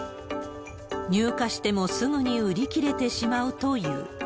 入荷してもすぐに売り切れてしまうという。